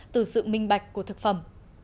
từ sự minh bạch của thực phẩm